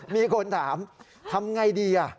มีคนถามทำไงดี